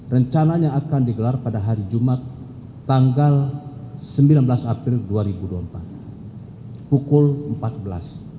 rencananya akan digelar pada hari jumat tanggal sembilan belas april dua ribu dua puluh empat pukul empat belas